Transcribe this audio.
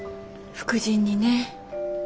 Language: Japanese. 副腎にね。